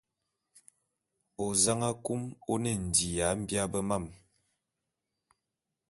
Ozang akum one ndi ya mbia bé mam.